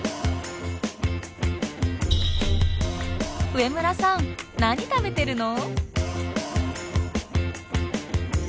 植村さん何食べてるの？